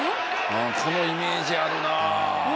このイメージあるなあ。